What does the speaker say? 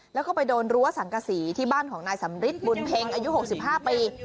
แล้วก็ไปโดนรั้วสังกษีที่บ้านของนายสำริทบุญเพ็งอายุ๖๕ปี